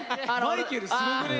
マイケルすごくね？